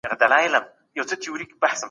د جرګي غړو به د هیواد د وقار لپاره هڅي کولي.